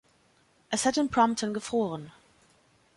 Es hat in Prompton gefroren.